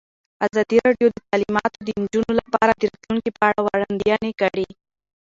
ازادي راډیو د تعلیمات د نجونو لپاره د راتلونکې په اړه وړاندوینې کړې.